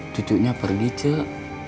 cucunya pergi cek